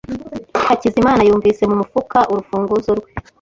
Hakizimana yumvise mu mufuka urufunguzo rwe.